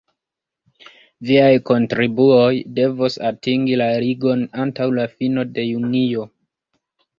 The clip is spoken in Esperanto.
Viaj kontribuoj devos atingi la Ligon antaŭ la fino de junio.